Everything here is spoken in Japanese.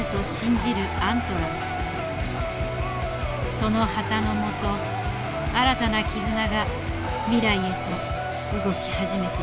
その旗のもと新たな絆が未来へと動き始めている。